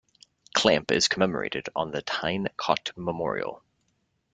Clamp is commemorated on the Tyne Cot Memorial.